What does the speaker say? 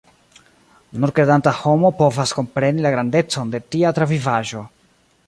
Nur kredanta homo povas kompreni la grandecon de tia travivaĵo.